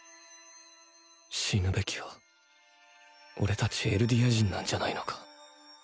死ぬべきはオレたちエルディア人なんじゃないのか？